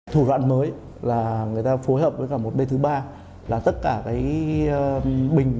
thủ đoạn mới là người ta phối hợp với cả một bên thứ ba là tất cả cái bình